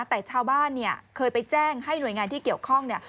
แต่ชาวบ้านเนี่ยเคยไปแจ้งให้หน่วยงานที่เกี่ยวข้องเนี่ย